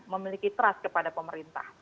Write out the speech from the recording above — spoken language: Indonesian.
memiliki trust kepada pemerintah